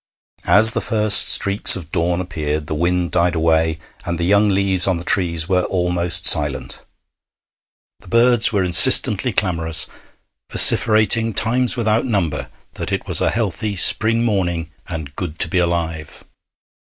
As the first streaks of dawn appeared, the wind died away, and the young leaves on the trees were almost silent. The birds were insistently clamorous, vociferating times without number that it was a healthy spring morning and good to be alive.